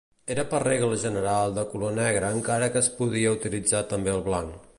Era per regla general de color negre encara que es podia utilitzar també el blanc.